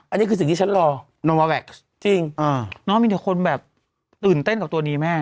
อันนี้คือสิ่งที่ฉันรอโนวาแวคจริงน้องมีแต่คนแบบตื่นเต้นกับตัวนี้แม่